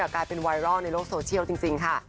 กลายเป็นไวรัลในโลกโซเชียลจริงค่ะ